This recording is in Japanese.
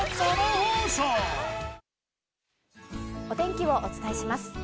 お天気をお伝えします。